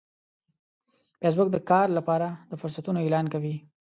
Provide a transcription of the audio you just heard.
فېسبوک د کار لپاره د فرصتونو اعلان کوي